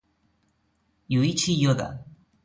Yuichi Yoda